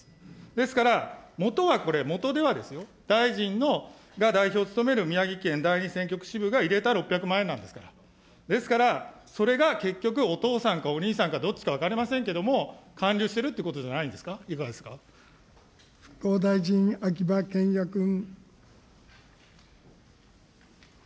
ですから、もとはこれ、もとではですよ、大臣が代表を務める宮城県第２選挙区支部が入れた６００万円なんですから、ですから、それが結局、お父さんかお兄さんか、どっちか分かりませんけれども、還流してるということじゃないんですか、復興大臣、秋葉賢也君。